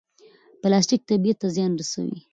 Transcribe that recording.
پلاستیک طبیعت ته زیان رسوي.